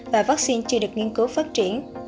và vaccine chưa được nghiên cứu phát triển